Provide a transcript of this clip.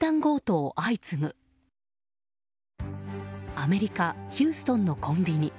アメリカ・ヒューストンのコンビニ。